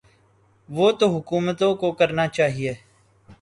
وہ تو حکومتوں کو کرنا چاہیے۔